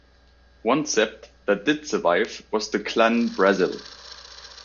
One sept that did survive was the Clann Breasil.